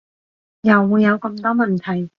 又會有咁多問題